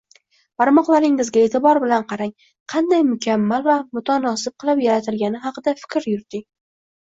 Barmoqlaringizga eʼtibor bilan qarang, qanday mukammal va mutanosib qilib yaratilgani haqida fikr yuriting.